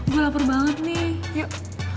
gue lapar banget nih yuk